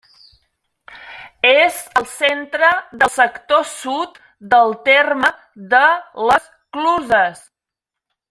És al centre del sector sud del terme de les Cluses.